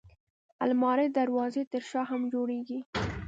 الماري د دروازې تر شا هم جوړېږي